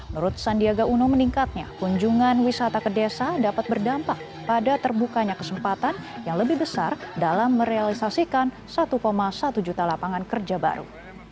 menurut sandiaga uno meningkatnya kunjungan wisata ke desa dapat berdampak pada terbukanya kesempatan yang lebih besar dalam merealisasikan satu satu juta lapangan kerja baru